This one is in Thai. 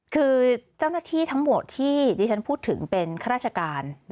คือเจ้าหน้าที่ทั้งหมดที่ดิฉันพูดถึงเป็นข้าราชการ